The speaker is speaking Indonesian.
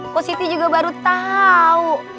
upositi juga baru tahu